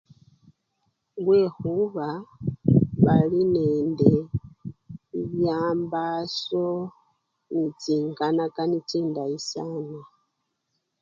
Khulwekhuba bali nende bibyambaso nechinganakani chindayi sana.